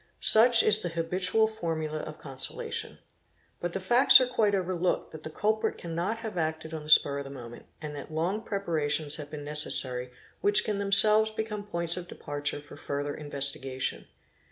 Such is the habitual formula of consolation. But the facts are quite overlooked that the culprit cannot have acted on the spur of the moment and that long _ preparations have been necessary which can themselves become points of departure for further investigation.